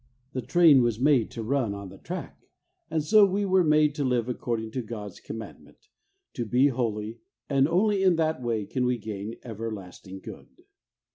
The train was made to run on the track, and so we were made to live according to God's commandment, to be holy, and only in that way can we gain everlasting good.